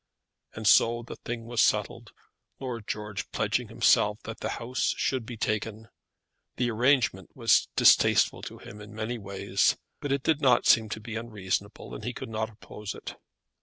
And so the thing was settled, Lord George pledging himself that the house should be taken. The arrangement was distasteful to him in many ways, but it did not seem to be unreasonable, and he could not oppose it.